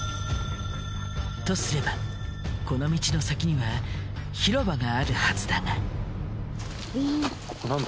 とすればこの道の先には広場があるはずだが。ここなんだ？